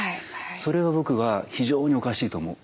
それは僕は非常におかしいと思う。